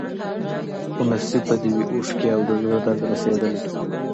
خو نصیب به دي وي اوښکي او د زړه درد رسېدلی